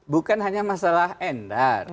bukan hanya masalah enda